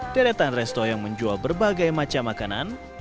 deretan resto yang menjual berbagai macam makanan